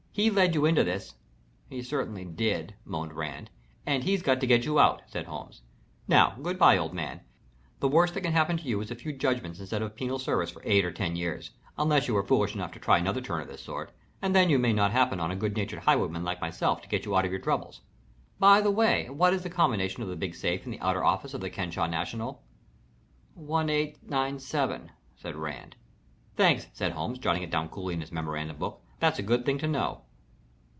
He led you into this " "He certainly did," moaned Rand. "And he's got to get you out," said Holmes. "Now, good bye, old man. The worst that can happen to you is a few judgments instead of penal servitude for eight or ten years, unless you are foolish enough to try another turn of this sort, and then you may not happen on a good natured highwayman like myself to get you out of your troubles. By the way, what is the combination of the big safe in the outer office of the Kenesaw National?" "One eight nine seven," said Rand. "Thanks," said Holmes, jotting it down coolly in his memorandum book. "That's a good thing to know."